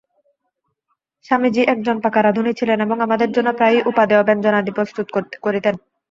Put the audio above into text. স্বামীজী একজন পাকা রাঁধুনী ছিলেন, এবং আমাদের জন্য প্রায়ই উপাদেয় ব্যঞ্জনাদি প্রস্তুত করিতেন।